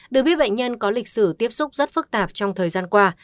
được biết bệnh nhân có lịch sử tiếp xúc rất phức tạp trong thời gian qua